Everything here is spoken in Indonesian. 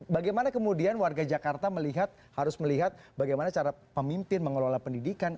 bagaimana kemudian warga jakarta harus melihat bagaimana cara pemimpin mengelola pendidikan